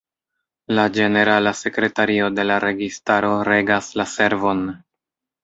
La ĝenerala sekretario de la registaro regas la servon.